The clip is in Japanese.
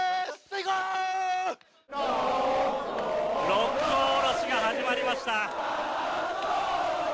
「六甲おろし」が始まりました。